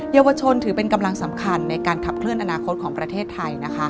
เยาวชนถือเป็นกำลังสำคัญในการขับเคลื่อนอนาคตของประเทศไทย